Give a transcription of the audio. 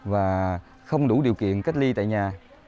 và không đủ điều kiện cách ly tại nhà